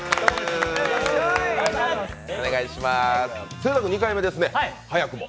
末澤君、２回目ですね、早くも。